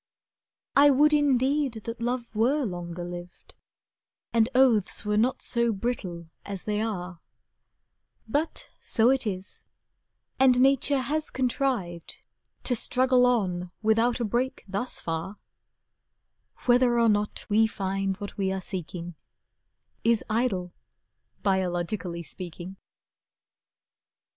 I would indeed that love were longer lived, And oaths were not so brittle as they are, But so it is, and nature has contrived To struggle on without a break thus far, Whether or not we find what we are seeking Is idle, biologically speaking.